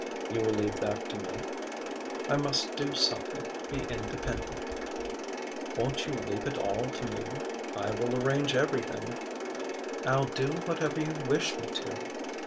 "You will leave that to me?" "I must do something be independent " "Won't you leave it all to me? I will arrange everything " "I'll do whatever you wish me to."